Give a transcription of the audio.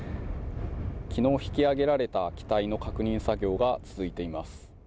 昨日引き揚げられた機体の確認作業が続いています。